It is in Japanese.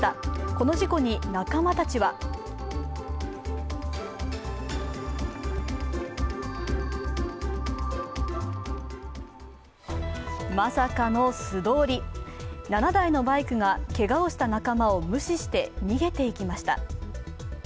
この事故に仲間たちはまさかの素通り、７台のバイクがけがをした仲間を無視して逃げていきました。